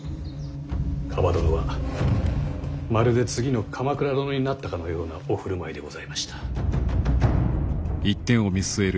蒲殿はまるで次の鎌倉殿になったかのようなお振る舞いでございました。